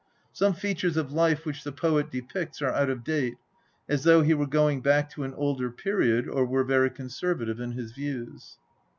Some features of life which the poet depicts are out of date, as though he were going back to an older period, or were very conservative in his views.